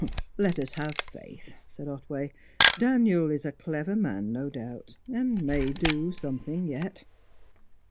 "Let us have faith," said Otway. "Daniel is a clever man no doubt, and may do something yet."